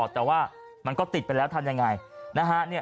แต่ว่ามันก็ติดไปแล้วทำยังไงนะฮะ